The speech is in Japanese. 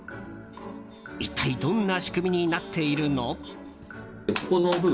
一体どんな仕組みになっているの？